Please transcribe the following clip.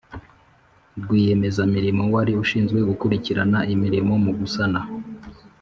Rwiyemezamirimo wari ushinzwe gukurikirana imirimo mu gusana